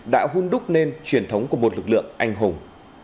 đã hôn đúc nên truyền thống của một lực lượng anh hùng